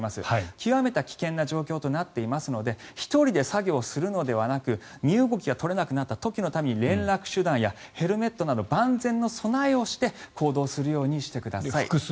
極めて危険な状況となっていますので１人で作業するのではなく身動きが取れなくなった時のために連絡手段やヘルメットなど万全の備えをして行動してください。